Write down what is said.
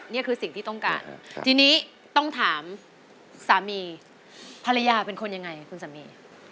นี่คือสิ่งที่ต้องการทีนี้ต้องถามสามีภรรยาเป็นคนยังไงคุณสามี